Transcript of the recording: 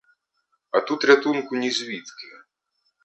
А тут рятунку нізвідки.